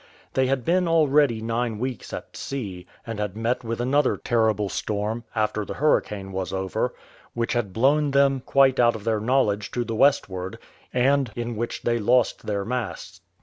They had been already nine weeks at sea, and had met with another terrible storm, after the hurricane was over, which had blown them quite out of their knowledge to the westward, and in which they lost their masts.